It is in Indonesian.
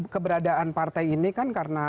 keberadaan partai ini kan karena